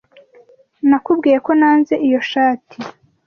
Nakubwiye ko nanze iyo shati.